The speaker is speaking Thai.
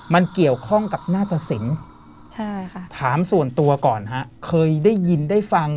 มันเกี่ยวข้องกับหน้าตะสินถามส่วนตัวก่อนฮะเคยได้ยินได้ฟัง